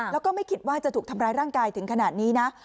แล้วก็ไม่คิดว่าจะถูกทำร้ายร่างกายถึงขนาดนี้นะ